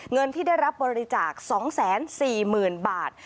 เงินที่ได้รับบริจาค๒๔๐๐๐บาท